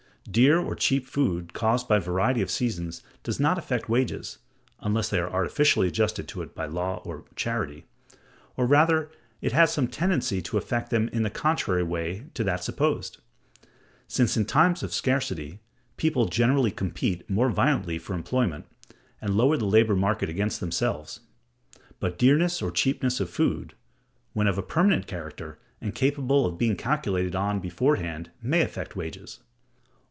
Dear or cheap food caused by variety of seasons does not affect wages (unless they are artificially adjusted to it by law or charity): or rather, it has some tendency to affect them in the contrary way to that supposed; since in times of scarcity people generally compete more violently for employment, and lower the labor market against themselves. But dearness or cheapness of food, when of a permanent character, and capable of being calculated on beforehand, may affect wages.